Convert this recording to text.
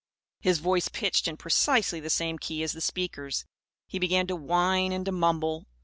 His voice pitched in precisely the same key as the speaker's, he began to whine and to mumble.